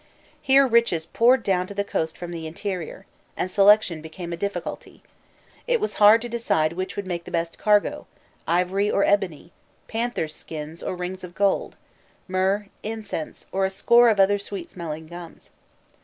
Here riches poured down to the coast from the interior, and selection became a difficulty: it was hard to decide which would make the best cargo, ivory or ebony, panthers' skins or rings of gold, myrrh, incense, or a score of other sweet smelling gums.